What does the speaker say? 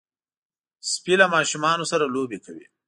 سپي له ماشومانو سره لوبې کوي.